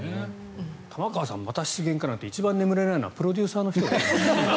玉川さんまた失言かなんて一番眠れないのはプロデューサーの人ですよ。